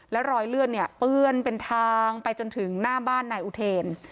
แล้วรอยเลือดเนี่ยเปื้อนเป็นทางไปจนถึงหน้าบ้านนายอุเทน